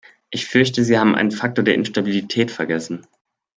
Ich fürchte, Sie haben einen Faktor der Instabilität vergessen.